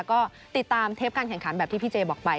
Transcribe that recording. ก็ติดตามเทปการแข่งขันแบบที่พี่เจบอกไป